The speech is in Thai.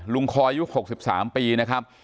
คอยยุค๖๓ปีนะครับ